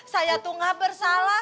saya tuh gak bersalah